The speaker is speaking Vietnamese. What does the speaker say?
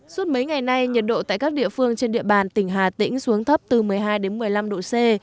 suốt mấy ngày nay nhiệt độ tại các địa phương trên địa bàn tỉnh hà tĩnh xuống thấp từ một mươi hai đến một mươi năm độ c